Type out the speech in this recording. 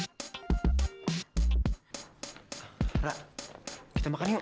ara kita makan yuk